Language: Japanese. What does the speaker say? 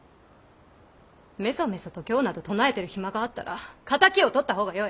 めそめそと経など唱えている暇があったら仇をとった方がよい。